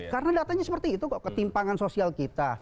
karena datanya seperti itu kok ketimpangan sosial kita